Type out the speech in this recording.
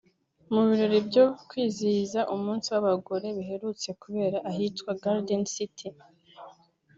Mu birori byo kwizihiza umunsi w’abagore biherutse kubera ahitwa Garden City